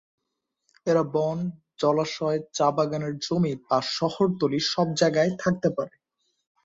এরা বন, জলাশয়, চা বাগানের জমি বা শহরতলি সব জায়গায় থাকতে পারে।